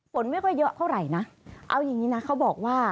ฝนไม่ค่อยเยอะเท่าไหร่นะเอาอย่างนี้นะเขาบอกว่า